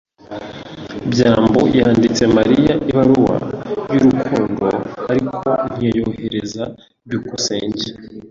byambo yanditse Mariya ibaruwa y'urukundo, ariko ntiyayohereza. byukusenge